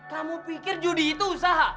kamu pikir judi itu usaha